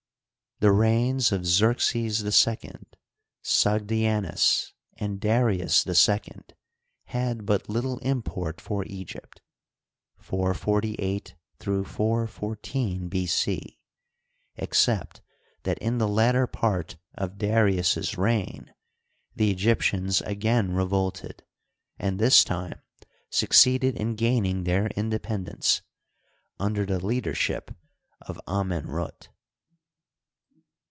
The reigns of Xerxes II, Sogdianus, and Darius II, had but little import for Egypt (448 414 B. c), except that in the latter part of Darius's reign the Egyptians again re volted, and this time succeeded in gaining their independ ence, under the leadership of Amenrut.